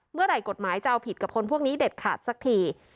เมื่อไหร่กฎหมายจะเอาผิดกับคนพวกนี้เด็ดขาดสักที